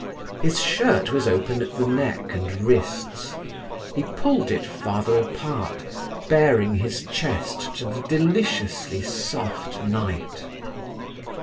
His shirt was open at the neck and wrists. He pulled it farther apart, baring his chest to the deliciously soft night.